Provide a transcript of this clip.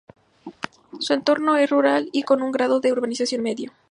Su entorno es rural y con un grado de urbanización medio.